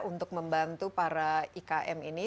untuk membantu para ikm ini